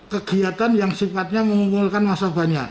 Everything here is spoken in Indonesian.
kegiatan yang sifatnya mengumpulkan masyarakat